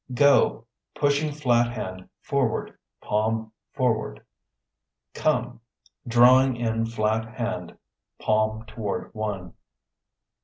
Go (Pushing flat hand forward, palm forward). Come (Drawing in flat hand, palm toward one).